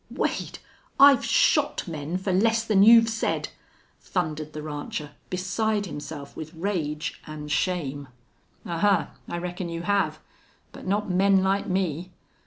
"Wade! I've shot men for less than you've said!" thundered the rancher, beside himself with rage and shame. "Ahuh! I reckon you have. But not men like me....